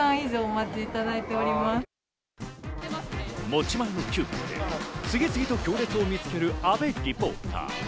持ち前の嗅覚で次々と行列を見つける阿部リポーター。